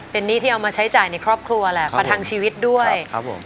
เป็นหนี้ที่เอามาใช้จ่ายในครอบครัวแหละประทังชีวิตด้วยครับผม